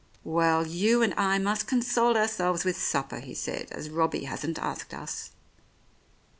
"Well, you and I must console ourselves with supper," he said, "as Robbie hasn't asked us."